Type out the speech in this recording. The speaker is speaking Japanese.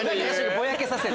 ぼやけさせて。